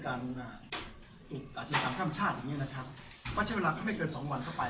อาชญากรรมข้ามชาติอย่างเงี้นะครับก็ใช้เวลาแค่ไม่เกินสองวันเข้าไป